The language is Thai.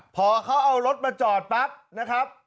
พอเขาเอารถมาจอดปั๊บนะครับ